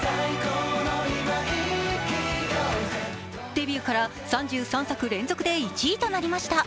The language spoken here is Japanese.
デビューから３３作連続で１位となりました。